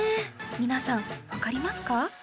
皆さんわかりますか？